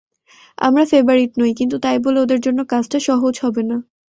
আমরা ফেবারিট নই, কিন্তু তাই বলে ওদের জন্য কাজটা সহজ হবে না।